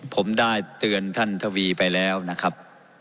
ผมได้เตือนท่านทวีไปแล้วนะครับ